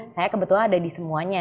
saya kebetulan ada di semuanya